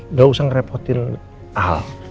enggak usah ngerepotin al